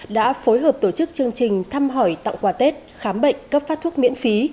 đã phối hợp tổ chức chương trình thăm hỏi tặng quà tết khám bệnh cấp phát thuốc miễn phí